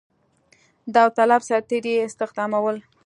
داوطلب سرتېري یې استخدامول.